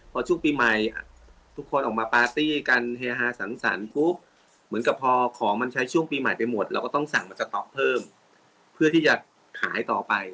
พอช่วงปีใหม่ทุกคนออกมาปาร์ตี้กันเฮฮาสันปุ๊บเหมือนกับพอของมันใช้ช่วงปีใหม่ไปหมดเราก็ต้องสั่งมาสต๊อกเพิ่มเพื่อที่จะขายต่อไป